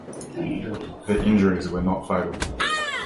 The injuries were not fatal.